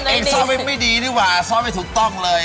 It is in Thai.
เองซ่อนไว้ไม่ดีดีวะซ่อนไม่ถูกต้องเลย